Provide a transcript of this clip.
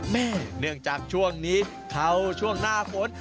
เนื่องจากช่วงนี้เขาช่วงหน้าฝน